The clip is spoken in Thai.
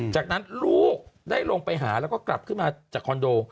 จากนั้นลูกได้ลงไปหาแล้วก็กลับขึ้นมาจากคอนโด